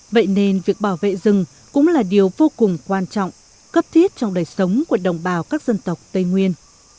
vậy nên việc bảo vệ rừng cũng là điều vô cùng quan trọng cấp thiết trong đời sống của đồng bào các dân tộc tây nguyên